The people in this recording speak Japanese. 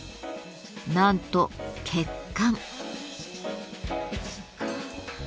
なんと血管。